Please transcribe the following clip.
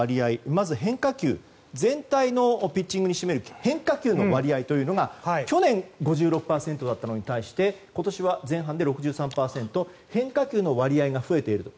まず変化球、全体のピッチングに占める変化球の割合が去年５６％だったのに対して今年は前半で６３％と変化球の割合が増えていると。